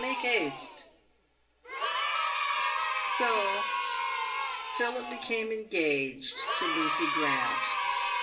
Make haste !" So Philip became engaged to Lucy Grant.